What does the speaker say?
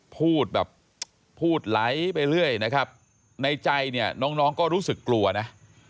พูดแบบพูดไหลไปเรื่อยนะครับในใจเนี่ยน้องก็รู้สึกกลัวนะ